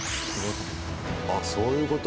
あっ、そういうこと？